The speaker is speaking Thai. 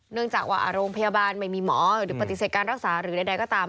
เนื่องจากว่าโรงพยาบาลไม่มีหมอหรือปฏิเสธการรักษาหรือใดก็ตาม